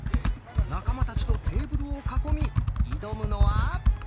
仲間たちとテーブルを囲み挑むのは。